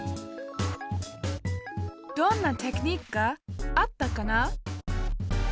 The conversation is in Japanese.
どんなテクニックがあったかな？